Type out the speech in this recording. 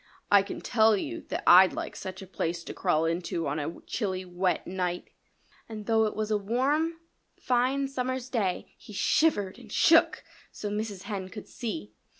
"I can tell you that I'd like such a place to crawl into on a chilly, wet night." And though it was a warm, fine summer's day he shivered and shook, so Mrs. Hen could see.